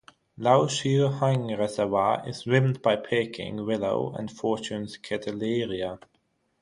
Lau Shui Heung Reservoir is rimmed by Peking willow and Fortune's keteleeria.